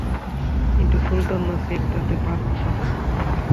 কিন্তু সুলতান নাসির তাতে বাদ সাধেন।